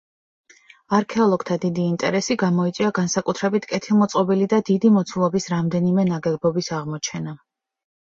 არქეოლოგთა დიდი ინტერესი გამოიწვია განსაკუთრებით კეთილმოწყობილი და დიდი მოცულობის რამდენიმე ნაგებობის აღმოჩენამ.